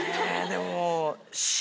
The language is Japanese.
でも。